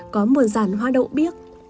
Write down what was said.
có một ràn hoa đậu biếc